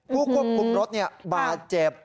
ผู้กรอบคุมรถเนี่ยบาดเจ็บ